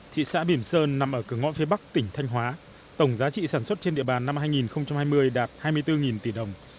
thị xã bìm sơn nằm ở cửa ngõ phía bắc tỉnh thanh hóa tổng giá trị sản xuất trên địa bàn năm hai nghìn hai mươi đạt hai mươi bốn tỷ đồng